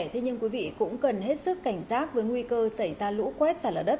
thế nhưng quý vị cũng cần hết sức cảnh giác với nguy cơ xảy ra lũ quét xả lở đất